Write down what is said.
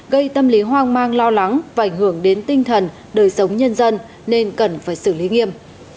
gây tâm lý hoang mang lo lắng và ảnh hưởng đến tinh thần đời sống nhân dân nên cần phải xử lý nghiêm